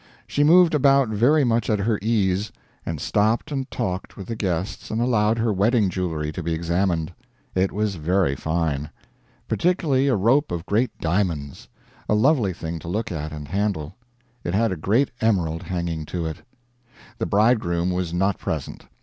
She moved about very much at her ease, and stopped and talked with the guests and allowed her wedding jewelry to be examined. It was very fine. Particularly a rope of great diamonds, a lovely thing to look at and handle. It had a great emerald hanging to it. The bridegroom was not present.